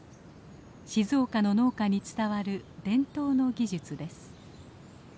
静岡の農家に伝わる伝統の技術です。